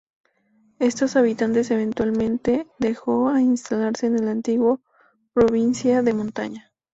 Estos habitantes eventualmente dejó a instalarse en el antiguo Provincia de Montaña.